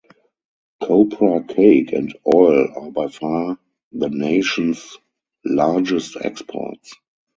Copra cake and oil are by far the nation's largest exports.